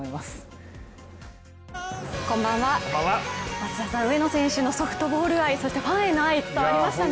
松田さん、上野選手のソフトボール愛、ファンに対する愛が伝わりましたね。